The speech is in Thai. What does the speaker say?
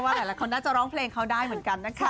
หลายคนน่าจะร้องเพลงเขาได้เหมือนกันนะคะ